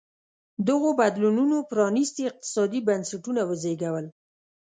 دغو بدلونونو پرانېستي اقتصادي بنسټونه وزېږول.